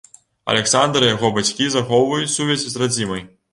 Аляксандр і яго бацькі захоўваюць сувязь з радзімай.